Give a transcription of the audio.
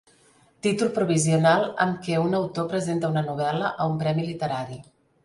Títol provisional amb què un autor presenta una novel·la a un premi literari.